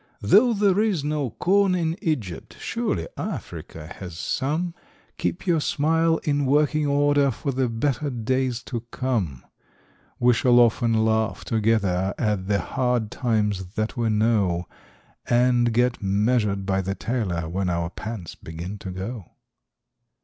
Though there is no corn in Egypt, surely Africa has some Keep your smile in working order for the better days to come ! We shall often laugh together at the hard times that we know, And get measured by the tailor when our pants begin to go.